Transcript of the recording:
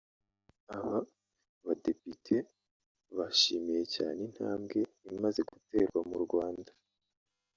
Aba badepite bashimiye cyane intambwe imaze guterwa mu Rwanda